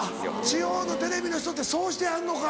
地方のテレビの人ってそうしてはんのか。